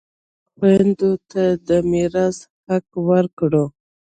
موږ باید و خویندو ته د میراث حق ورکړو